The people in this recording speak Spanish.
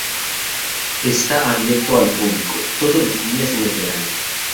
Está abierto al público todos los días en el verano.